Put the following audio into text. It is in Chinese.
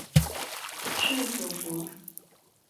圣索弗。